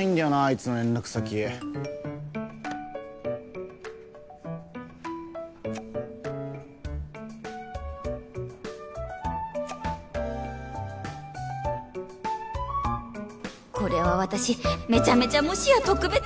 いつの連絡先これは私めちゃめちゃもしや特別？